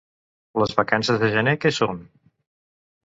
Les vacances de gener què són?